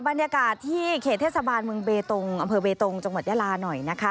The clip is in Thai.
บรรยากาศที่เขตเทศบาลเมืองเบตงอำเภอเบตงจังหวัดยาลาหน่อยนะคะ